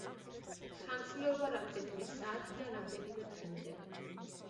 ხანგრძლივობა რამდენიმე საათიდან რამდენიმე დღემდე.